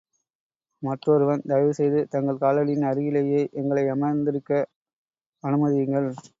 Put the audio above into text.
மற்றொருவன், தயவுசெய்து, தங்கள் காலடியின் அருகிலேயே எங்களையமர்ந்திருக்க அனுமதியுங்கள்.